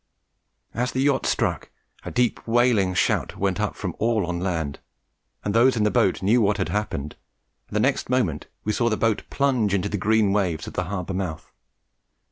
"As the yacht struck, a deep, wailing shout went up from all on land, and those in the boat knew what had happened, and the next moment we saw the boat plunge into the green waves at the harbour mouth.